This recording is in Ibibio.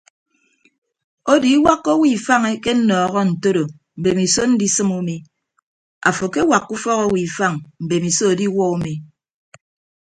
Odo iwakka owo ifañ ekennọọ ntodo mbemiso ndisịm umi afo akewakka ufọk owo ifañ mbemiso adiwuọ umi.